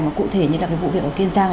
mà cụ thể như là cái vụ việc ở kiên giang